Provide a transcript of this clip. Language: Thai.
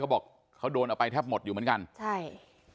เขาบอกเขาโดนออกไปแทบหมดอยู่เหมือนกัน